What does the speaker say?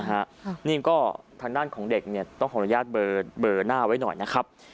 นี่ก็ทางด้านของเด็กต้องขออนุญาตเบอร์หน้าไว้หน่อยนะครับ